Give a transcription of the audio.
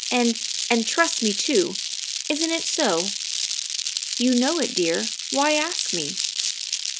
And and trust me too? Isn't it so?" " You know it, dear, why ask me?"